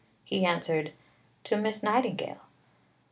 He answered, 'To Miss Nightingale.'